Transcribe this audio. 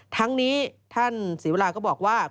ทั้งนี้ท่านศรีวราก็บอกว่า